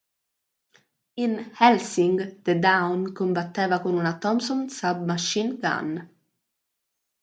In Hellsing: The Dawn, combatteva con una Thompson Sub-Machine Gun.